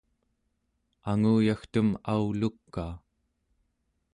anguyagtem aulukaa